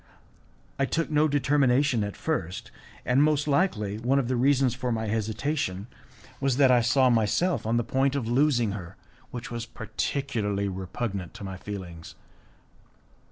I took no determination at first, and most likely one of the reasons for my hesitation was that I saw myself on the point of losing her, which was particularly repugnant to my feelings.